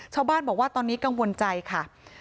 ชาวบ้านบอกว่าตอนนี้กังวลใจค่ะ